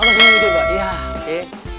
oh masih menunggu mbak iya oke